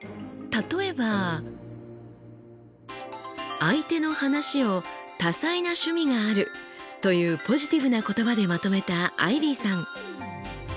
例えば相手の話を「たさいなしゅみがある」というポジティブな言葉でまとめたアイビーさん。